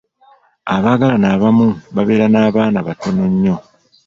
Abaagalana abamu babeera n'abaana batono nnyo.